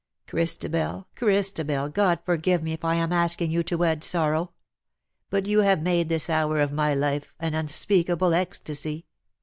Christabel, Christabel, God forgive me if I am asking you to wed sorrow; but you have made this hour of my life an unspeakable ecstasy.